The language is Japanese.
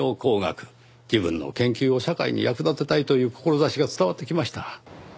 自分の研究を社会に役立てたいという志が伝わってきました。